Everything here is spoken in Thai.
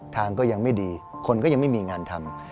ทางก็ยังไม่ดีคนก็ยังไม่มีงานทำ